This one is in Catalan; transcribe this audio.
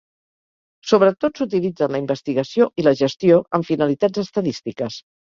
Sobretot s'utilitza en la investigació i la gestió amb finalitats estadístiques.